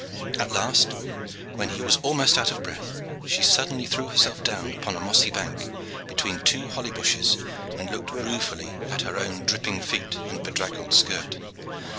At last, when he was almost out of breath, she suddenly threw herself down upon a mossy bank, between two holly bushes, and looked ruefully at her own dripping feet and bedraggled skirt.